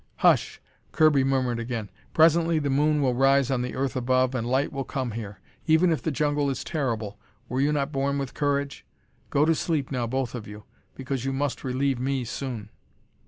"Hush," Kirby murmured again. "Presently the moon will rise on the earth above, and light will come here. Even if the jungle is terrible, were you not born with courage? Go to sleep now, both of you, because you must relieve me soon."